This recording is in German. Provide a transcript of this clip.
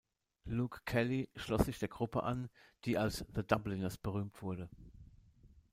Luke Kelly schloss sich der Gruppe an, die als „The Dubliners“ berühmt wurde.